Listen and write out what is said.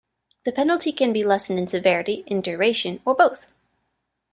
The penalty can be lessened in severity, in duration, or both.